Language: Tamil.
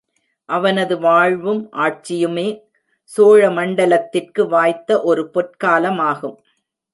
அவனது வாழ்வும் ஆட்சியுமே சோழமண்டலத்திற்கு வாய்த்த ஒரு பொற்காலமாகும்.